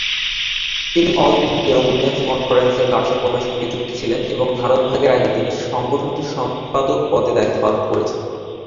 তিনি All India Women's কনফারেন্সের কার্যক্রমের সঙ্গে যুক্ত ছিলেন এবং ভারত ভাগের আগে তিনি সংগঠনটির সম্পাদক পদে দায়িত্ব পালন করছেন।